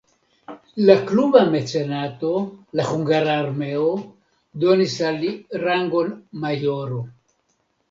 La kluba mecenato (la hungara armeo) donis al li rangon majoro.